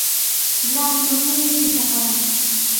গ্রামের কোনো মেয়ে এই চিন্তা করে না।